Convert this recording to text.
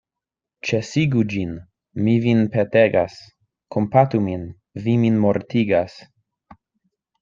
Ĉesigu ĝin, mi vin petegas; kompatu min; vi min mortigas.